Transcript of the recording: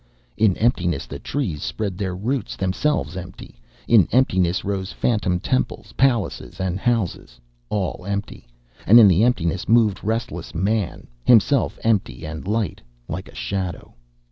_In emptiness the trees spread their roots, themselves empty; in emptiness rose phantom temples, palaces and houses all empty; and in the emptiness moved restless Man, himself empty and light, like a shadow_.